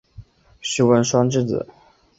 徐文铨之子。